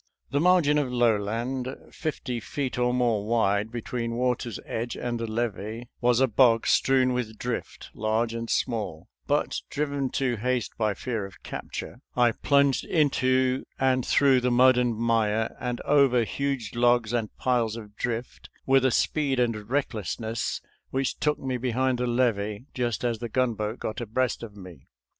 The margin of lowland, fifty feet or more wide, between water's edge and the levee, was a bog strewn with drift, large and small ; but driven to 286 SOLDIER'S LETTERS TO CHARMING NELLIE haste by fear of capture, I plunged into and through the mud and mire, and over huge logs and piles of drift, with a speed and recklessness which took me behind the levee just as the gun boat got abreast of me.